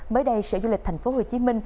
mới đây sở du lịch tp hcm